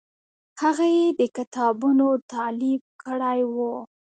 هغه یې د کتابونو تالیف کړی و.